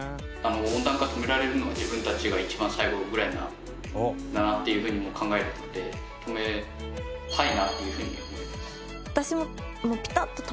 温暖化止められるのは自分たちが一番最後ぐらいだなっていうふうにも考えてて止めたいなというふうに思います。